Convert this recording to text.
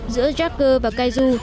giữa jacker và kaiju